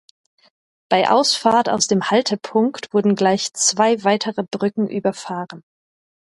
Bei Ausfahrt aus dem Haltepunkt wurden gleich zwei weitere Brücken überfahren.